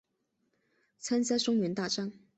参加中原大战。